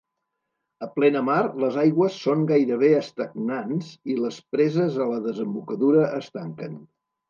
A plenamar les aigües són gairebé estagnants i les preses a la desembocadura es tanquen.